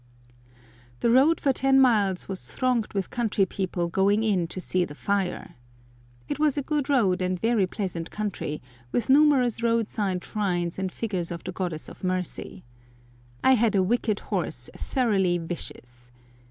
The road for ten miles was thronged with country people going in to see the fire. It was a good road and very pleasant country, with numerous road side shrines and figures of the goddess of mercy. I had a wicked horse, thoroughly vicious.